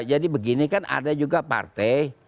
jadi begini kan ada juga partai